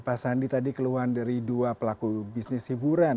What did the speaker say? pak sandi tadi keluhan dari dua pelaku bisnis hiburan